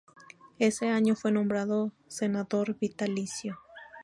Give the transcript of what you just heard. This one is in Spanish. Ese año fue nombrado senador vitalicio.